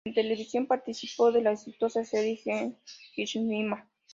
En televisión participó de la exitosa serie "Gen Mishima".